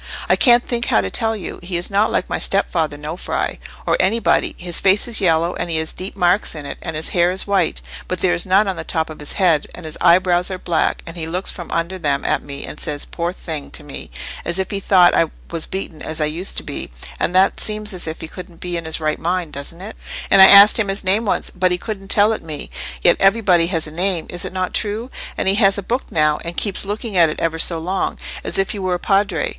"I can't think how to tell you: he is not like my stepfather Nofri, or anybody. His face is yellow, and he has deep marks in it; and his hair is white, but there is none on the top of his head: and his eyebrows are black, and he looks from under them at me, and says, 'Poor thing!' to me, as if he thought I was beaten as I used to be; and that seems as if he couldn't be in his right mind, doesn't it? And I asked him his name once, but he couldn't tell it me: yet everybody has a name—is it not true? And he has a book now, and keeps looking at it ever so long, as if he were a Padre.